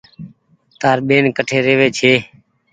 تآر ٻين ڪٺي رهي وي ڇي۔